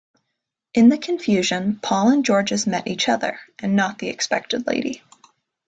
In the confusion, Paul and Georges meet each other, and not the expected lady.